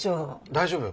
大丈夫。